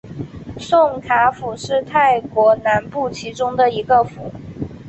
宋卡府是泰国南部其中的一个府。